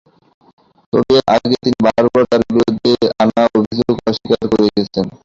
তবে এর আগে তিনি বারবার তাঁর বিরুদ্ধে আনা অভিযোগ অস্বীকার করে এসেছেন।